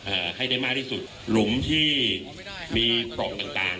ให้ได้มากที่สุดหลุมที่มีปล่องต่างต่าง